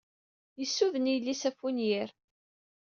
Yessuden yelli-s ɣef wenyir.